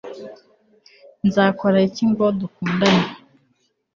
nzakora iki ngo dukundane